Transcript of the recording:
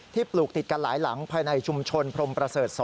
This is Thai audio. ปลูกติดกันหลายหลังภายในชุมชนพรมประเสริฐ๒